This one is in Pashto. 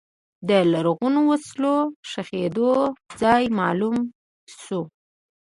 د لرغونو وسلو ښخېدو ځای معلوم شو.